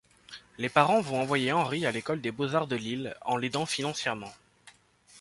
Les parents vont envoyer Henri à l'école des beaux-arts de Lille en l'aidant financièrement.